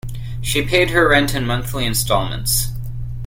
She paid her rent in monthly instalments